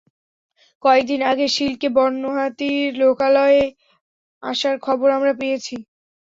কয়েক দিন আগে শিলকে বন্য হাতির লোকালয়ে আসার খবর আমরা পেয়েছি।